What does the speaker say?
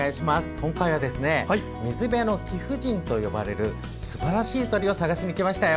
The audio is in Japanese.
今回は水辺の貴婦人と呼ばれるすばらしい鳥を探しにいきましたよ。